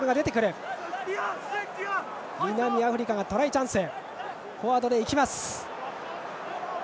南アフリカ、トライチャンス。